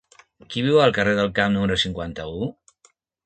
Qui viu al carrer del Camp número cinquanta-u?